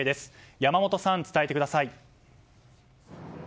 山本さん、伝えてください。